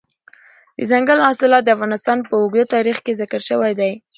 دځنګل حاصلات د افغانستان په اوږده تاریخ کې ذکر شوی دی.